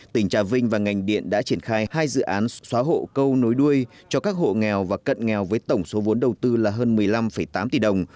tỉnh trà vinh và ngành điện đã triển khai hai dự án xóa hộ câu nối đuôi cho các hộ nghèo và cận nghèo với tổng số vốn đầu tư là hơn một mươi năm tám tỷ đồng